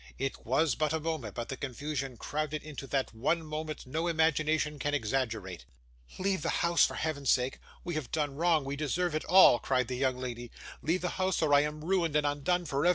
It was but a moment, but the confusion crowded into that one moment no imagination can exaggerate. 'Leave the house, for Heaven's sake! We have done wrong, we deserve it all,' cried the young lady. 'Leave the house, or I am ruined and undone for ever.